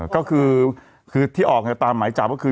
ก็คือที่ออกตามหมายจับก็คือ